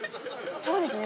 そうですね。